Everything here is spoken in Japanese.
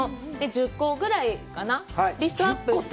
１０個ぐらいかな、リストアップって。